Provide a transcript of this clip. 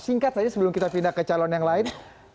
singkat tadi sebelum kita pindah ke calon yang lain